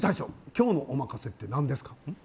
今日のおまかせって何ですか？